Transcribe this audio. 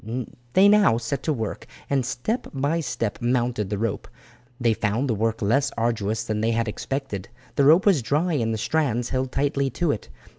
They now set to work, and step by step mounted the rope. They found the work less arduous than they had expected. The rope was dry, and the strands held tightly to it.